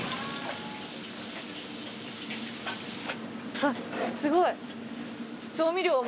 あっすごい。